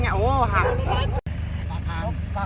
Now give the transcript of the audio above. จริงสำคัญต่อสู่ลูกตัว